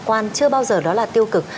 đặc quan chưa bao giờ đó là tiêu cực